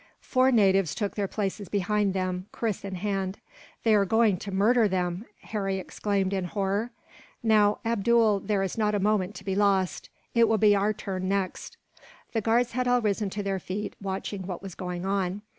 Four natives took their places behind them, kris in hand. "They are going to murder them!" Harry exclaimed, in horror. "Now, Abdool, there is not a moment to be lost; it will be our turn, next." Their guards had all risen to their feet, watching what was going on.